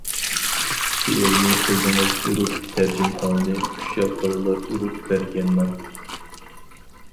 شېئىرنى ئۆزىڭىز ئۇرۇپ، تەرجىمىھالنى ئۇششاق بالىلار ئۇرۇپ بەرگەنما!